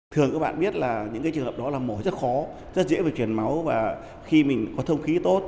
thường các bạn biết là những trường hợp đó là mổ rất khó rất dễ về chuyển máu và khi mình có thông khí tốt